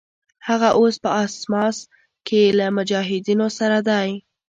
هغه اوس په اسماس کې له مجاهدینو سره دی.